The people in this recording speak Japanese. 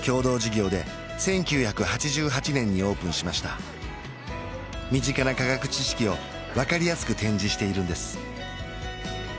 こちらは身近な科学知識を分かりやすく展示しているんです